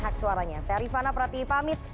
hak suaranya saya rifana prati pamit